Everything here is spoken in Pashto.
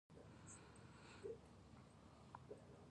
آیا بشري مرستې اقتصاد ته زیان رسوي؟